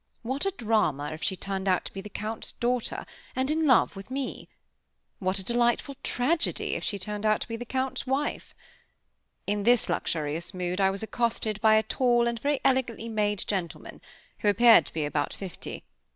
What a drama if she turned out to be the Count's daughter, and in love with me! What a delightful tragedy if she turned out to be the Count's wife! In this luxurious mood I was accosted by a tall and very elegantly made gentleman, who appeared to be about fifty.